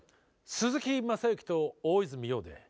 鈴木雅之と大泉洋で。